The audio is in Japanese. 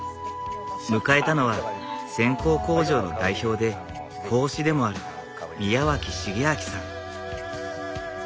迎えたのは線香工場の代表で香司でもある宮脇繁昭さん。